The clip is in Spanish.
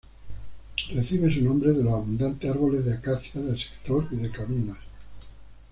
Recibe su nombre de los abundantes árboles de Acacia del sector y de Cabimas.